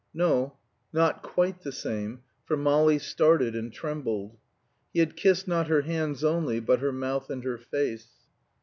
No, not quite the same, for Molly started and trembled. He had kissed not her hands only, but her mouth and her face.